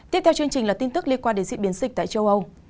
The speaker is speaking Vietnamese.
tiếp theo chương trình là tin tức liên quan đến dịch biến sịch tại châu âu